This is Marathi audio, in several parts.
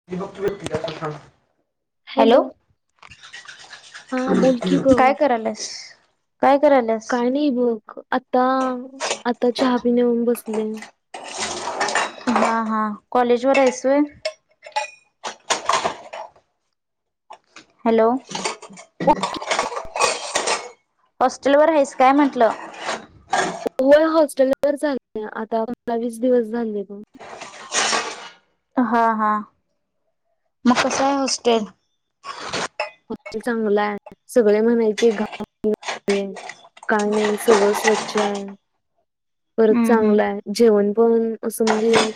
[unintelligible] हॅलो? हा बोल की ग काय करायल्यास? काय करायल्यास? काय नाही बघ. आता, आता चहा पिऊन येऊन बसले. हा, हा, हा, कॉलेजवर आहेस होय? हॅलो? हॉस्टेलवर आहेस काय म्हंटलं? होय, हॉस्टेलवर झाले आता पंधरा, वीस दिवस झाले बघ. हा, हा, मग कस आहे हॉस्टेल? हाँस्टेल चांगलं आहे, सगळे म्हणायचे, [unintelligible] काय नाही, सगळ स्वच्छ आहे, परत हम्म हम्म चांगलं आहे. जेवण पण असं म्हणजे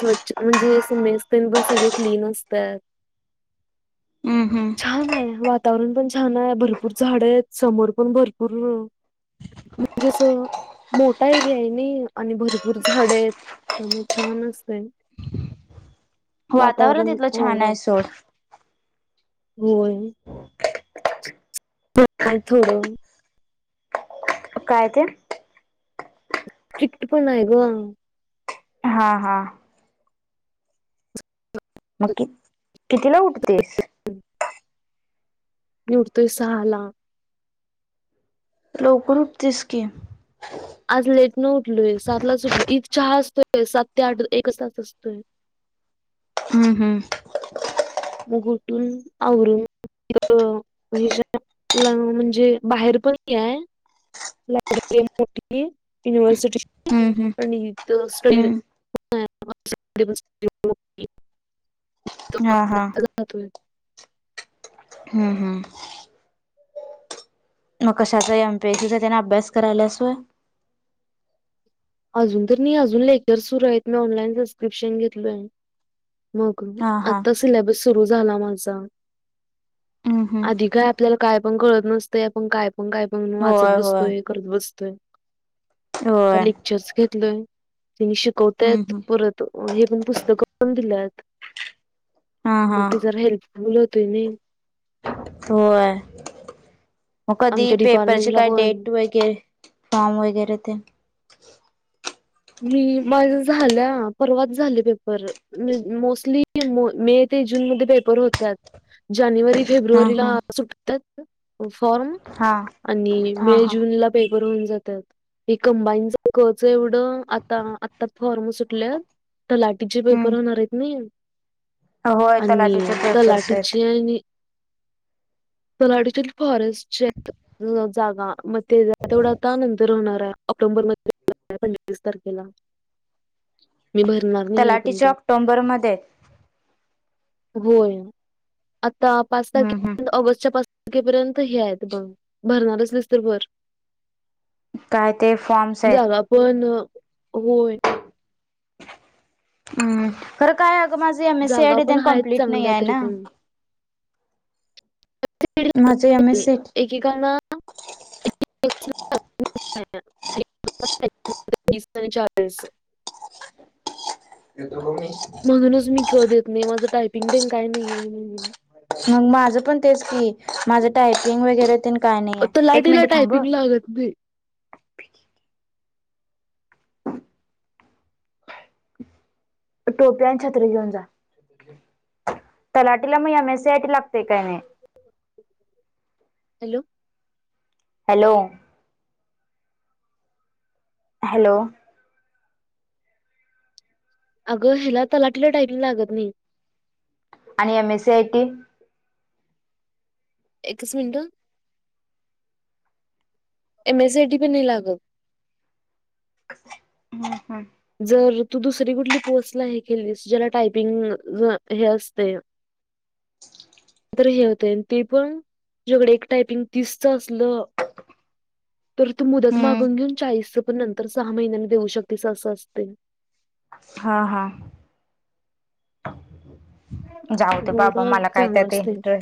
स्वच्छ म्हणजे, असं मेस तेन पण सगळे क्लीन असतात. हम्म हम्म छान आहे, वातावरण पण छान आहे, भरपूर झाड आहेत, समोर पण भरपूर म्हणजे, अस मोठा एरिया आहे नाही आणि भरपूर झाड आहेत. त्यामुळे छान असतय, वातावरण तिथलं छान आहे [unintelligible] सोड होय. [unintelligible] थोडं. काय ते? स्ट्रीक्ट पण आहे ग. हा, हा. मग कि कितीला उठतेस? [inaudible] मी उठतोय सहाला. लवकर उठतीस की‌. आज लेट न उठलोय. सात लाच उठलो इथ चहा असतोय सात ते आठ एकच तास असतोय. हम्म हम्म मग उठून आवरून [unintelligible] म्हणजे बाहेर पणय हे हाय लायब्ररी मोठी. युनिव्हर्सिटीची हम्म आणि स्ट हम्म हम्म [unintelligible] हा हा [unintelligible] हम्म हम्म मग कशा? एमपीएसीचा त्याना अभ्यास करायला स होय? अजून तर मी अजून लेक्चर सुरू आहेत. मी ऑनलाईन सबस्क्रिप्शन घेतलो. मग हा हा आता सिलेबस सुरू झाला माझा. हम्म हम्म आधी काय आपल्याला काय पण कळत नसतेय, आपण काय पण काय पण वाचत होय होय बसतोय. करत बसतोय होय जास्त घेतलय तिने शिकवताय हम्म हम्म परत हे पण पुस्तक पण दिल्यात, हा हा मग ते जरा हेल्प [unintelligible] त्यांनी होय मग कधी आमच्या पेपरचे डिपार्टमेंटला काय पण डेट वेट? के फॉम वगैरे ते? मी माझ्या झालं परवाच झाले पेपर. मोस्ली मे ते जून मधे पेपर होतात जाने हा हा फेब्रुला सुटतायत फ्रॉम हा आणि हा मे हा जूनला पेपर होऊन जातात. हे कंबाईनच एवढ आता आता फॉर्म सुटल्यात तलाठीचे हम्म पेपर होणार आहेत ना होय आणि तलाठीचे पेपर्स आहेत तलाटची आणि तलाटीचे फॉरेस्टचे जागा ते तेवढा आता नंतर होणार आहे ऑक्टोबर मध्ये [unintelligible] तारखेला मी भरणार. नाही आहे पण तलाटीच्या तो ऑक्टोंबरमध्ये येत. होय आता पाच हम्म हम्म तारखे ऑगस्टच्या पाच तपर्यंत हे आहेत बघ भरणारच असतीस तर भर. काय ते फॉर्म्स आहे? जागा पण होय हम खरं काय अगं माझं एम एस जागा सीआयडी पण तेन आहेत कमप्लीट चांगल्या नाहीये तरी ना. पण माझं एम एस सी [unintelligible] [inaudible] [unintelligible] म्हणूनच मी क देत नाही. माझं टायपिंग तेन काय नाहीये म्हणून. मग माझं पण तेच की. माझं टायपिंग वगैरे तेन काय नाहीेये. एक तलाठीला मिनिट थांब अ [unintelligible] टोप्या आन छत्री घेऊन जा. तलाटीला मग एम एससीयटी लागते काय नाही? हॅलो हॅलो हॅलो, अगं ह्याला तलाटीला टाईपिंग लागत नाही. आणि M S C I T एकच मिनटं एम एस सीआयटी पण नाही लागत. हम्म हम्म. जर तू दुसरी कुठली पोस्टला हे केलीस ज्याला टायपिंग ग हे असतयं. तर हे होतयं ते पण तुझ्याकडे एक टायपिंग तीसचं असलं तर तू मुदत हम्म मागून घेऊन चाळीसचं पण नंतर सहा महिन्यांनी देऊ शकतीस असं असतयं. हा हा. जाऊ दे बाबा वरुन मला काय चांगला त्यात असतोय. इंटर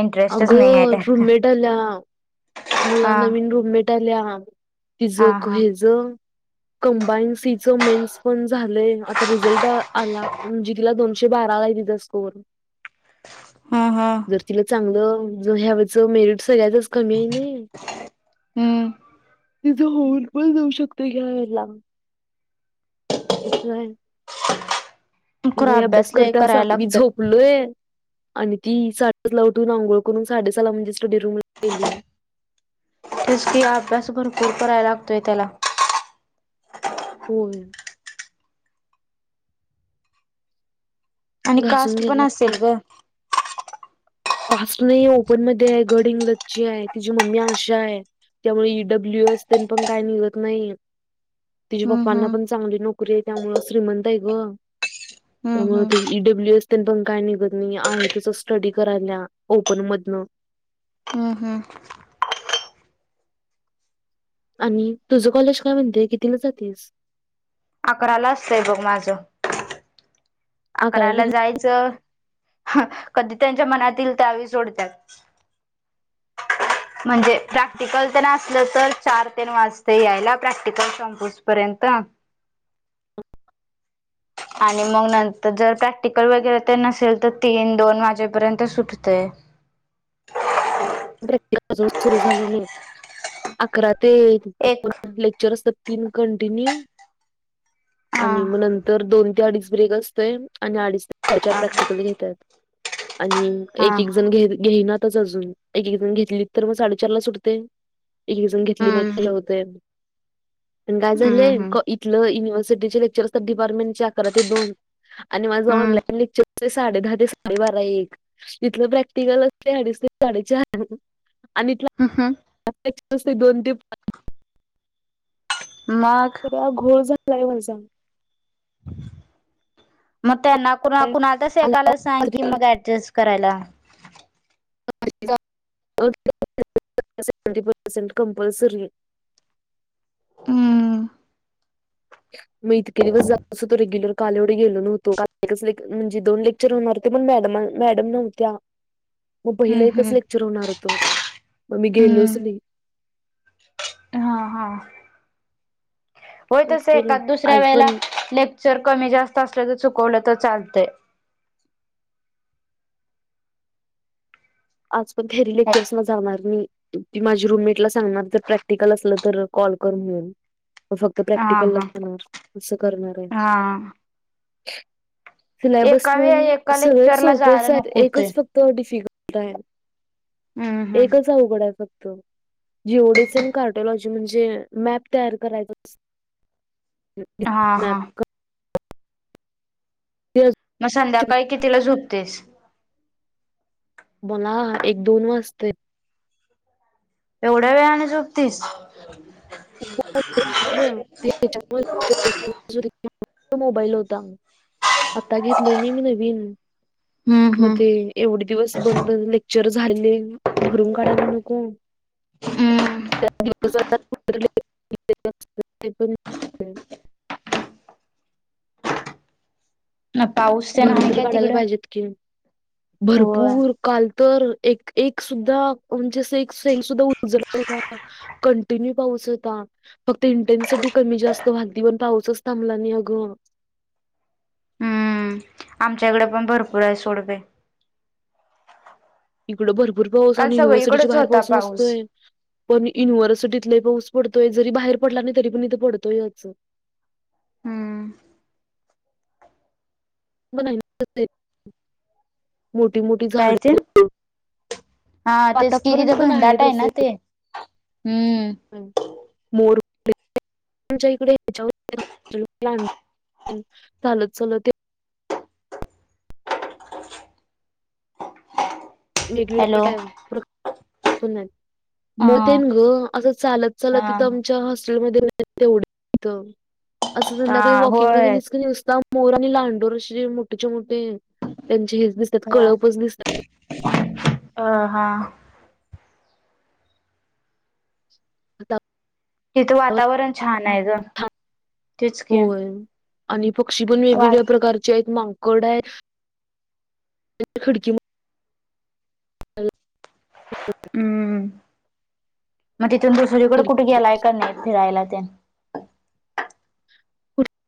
इंटरेस्टच नाही आहे अगं त्यात काय रूममेट आल्या. मला हा नवीन रूममेट आल्या हा तिजक हा हेज [inaudible] कंबाईन सी च मेन्स पण झालयं आता रिझल्ट आला म्हणजे तिला दोनश तो बाराला आहे तिजा स्कोर. हा हा. जर तिला चांगलं जर ह्यावरचं मेरिट सगळ्यातच कमी आय नाई हम्म तिचं होऊन पण जाऊ शकतयं घ्या याला असं आय खरं लय अभ्यास लय करत्या असा करायला मी लागतोय झोप फुल ओय आणि ती साड सातला उठून आंघोळ करून साडेसहाला म्हणजे स्टडी रूमला गेली. तिच की अभ्यास भरपूर कराय लागतोय त्याला. होय. आणि घासून कास्ट घ्यायला पण लागते असेल गं कास्ट नाही ओपन मधे आहे गडहिंगलजची आय तिजी मम्मी आशा आय. त्यामुळे ईडब्ल्यूएस तेन पण काय निघत नाई. तिज्या हम्म पप्पांना हम्म पण चांगली नोकरी आय त्यामुळं श्रीमंत आय गं हम्म त्यामुळे हम्म ते ईडब्ल्यू एस तेन पण काय निघत नाहीये आहे तसं स्टडीत करायल्या ओपन मधनं. हम् हम्. आणि तुझं कॉलेज काय म्हणतंय कितीला जातीस? अकराला असतंय बघ माझं. अकरा ते अकराला किती? जायचं, हा कधी त्यांच्या मनातील ईल त्यावेळी सोडत्यात. म्हणजे प्रॅक्टिकल तेन असलं तर चार तेन वाजतयं यायला प्रॅक्टिकल संपुस पर्यंत आणि मग नंत त जर प्रॅक्टिकल वगैरे तेन नसेल तर तीन दोन वाजेपर्यंत सुटतयं. प्रॅक्टिस आजुन सुर झाले नाही अकरा ते दोन एक लेक्चर असत. तीन कंटिन्यू हा आणि मग नंतर तर दोन ते अडीच ब्रेक असतोय आणि अडीच ते साडे चार प्रॅक्टिकल घेतात. आणि हा एक एक जण घे घेईनातच अजून एक एक जण घेतली तर मग साडेचार ला सुटते एक एक जण घेतली नाही हम्म त्याला होते. पण काय हम्म झालंय हम्म युनिवर्सटिचे लेक्चर असतात डिपार्टमेंटचे दोन आणि माझं हम्म ऑनलाईन लेक्चर साडे दहा ते साडेबारा एक इथले प्रॅक्टील असतय अडीच ते साडेचार [inaudible] ह हं. दोन ते. मग. तर घोळ झालाय माझा. मग त्यांना कुणा कुणा आताच ऐकाला सांग की मग ऍडजस्ट करायला. [inaudible] हम्म. मग इतके दिवस जात होतो रेग्युलर काल एवढे गेलो न्हवती काल एकच म्हणजे दोन लेक्चर. [inaudible] पण मॅडम मॅडम नव्हत्या. मग पहिला हम्म एकच हम्म लेक्चर होणार होतो मग मी गेलोच हम्म नाही. हा हा. होय आज तस गेलो एका दुसऱ्या आज वेळेला पण लेक्चर कमी जास्त असल्या तर चुकवलं तर चालतं. आज पण घरी लेक्चर्स मग जाणार मी. माझी रूमेटला सांगणार प्रॅक्टिकल असलं तर कॉल कर म्हणून फक्त. हा प्रॅक्टिकल हा न अस करणार आहे. हा सिलिबस एका वेळ पण एका सगळे लेक्चरला जायला सोपेच नको होतय. एकच फक्त. तो डिफिकल्ट आहे हम्म एकच हम्म अवघड आहे फक्त. जेवढेचन कार्टलॉजी म्हणजे मॅप तयार करायच. हा हां. ते मग संध्याकाळी कितीला झोपतेस. मला एक दोन वाजत. एवढ्या वेळानी झोपते. [inaudible] मोबाईल होता. आत्ता घेतलोय ना मी नवीन. हम्म मग ते हम्म एवढे दिवस बंद झाले. लेक्चर झाले भरून काढायला नको. [inaudible] हम्म [unintelligible] ना पाऊस. तेन भरून आहे तर काय काढायला तिकडं? पाहिजेत की होय. भरपूर. काल तर एक एक सुद्धा म्हणजे अस एक सैंग सुद्धा उज होता. कंटिन्यू पाऊस होता. फक्त इंटेन्सिटी कमी जास्त पाऊस थांबला नाही अगं. आमच्याकडे पण भरपूर आहे सोड ते. इकडे भरपूर पाऊस काल आणि यनिव्हर्सिटी सगळीकडेच बाहेर होता पाऊस नसतोय. पण युनिव्हर्सिटीतलाही पाऊस पडतोय जरी बाहेर पडला नाही तरी पण इथे पडतोय. हम्म. [inaudible] मोठी मोठी काय झाड. ते? हा तेच किती तर घनदाट आहे ना तसे. ते हम्म. मोर. [inaudible] आच्या इकडे ह्याच्यावर चालत लत. हॅलो वेगवेगळ [inaudible] हा मत आहे ग असं चालत हा चालत इथं आमच्या हॉस्टेलमध्ये. तेवढं असं हा संध्याकाळी होय. वॉकिंगनेच कसता. मोर आणि लांडोर असे मोठे मोठे त्यांचे हेच दिसते. ह अ हा. ह. तिथं वातावरण छान आहे ग तेच क होय आणि पक्षी पण वेगवेगळ्या प्रकारचे आहेत माग ड ख हम्म मग तिथून दुसरीकडे कुठे गेलाय का नाही फिरायला ते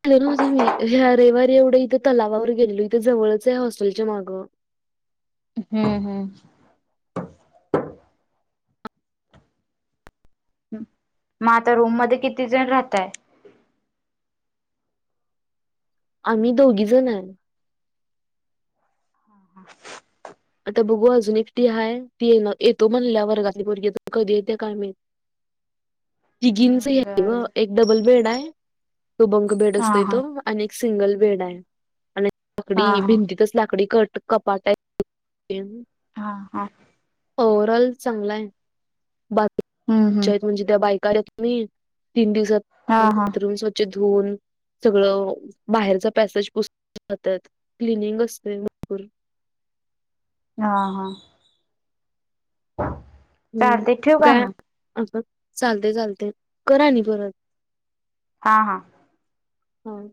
गले ना होतां मी ह रविवारी एवढं इथं तलावावर गेलेलो इथं जवळच आहे हॉस्टेलच्या मागं हम्म हम्. मग आता रूम मध्ये किती जण राहतय आम्ही दोघी जण आहे. हम हा. आता बघू अजून एकटी हय ती येतो म्हणल्या वर्गातची भगी कधी येते कायम [unintelligible] किगीन हम्म बर बर एक डबल बेड आहे तो ब बेड अस हा हा त आणि सिंगल बेड आहे आणि लाकडी हा हा भिंतीतच लाकडी कट कपाट तेम हा हा. ओवरऑल चांगला आहे हम्म हम्म बाकी म्हणजे त्या बायका मी तीन दिवसात हा हा बाथरूम स्वच्छ धुऊन सगळं बाहेरचा पॅसेज पस जातात क्लिनिंग असते मपूर हा हा. हम्म चालते ठेव का काय मग आपण चालते चालते करा नि परत हा हा. हम.